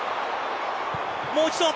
もう一度。